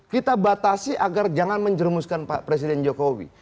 kita batasi agar jangan menjermuskan presiden jokowi